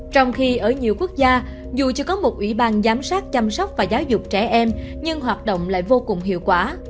trong khi ở nhiều quốc gia dù chưa có một ủy ban giám sát chăm sóc và giáo dục trẻ em nhưng hoạt động lại vô cùng hiệu quả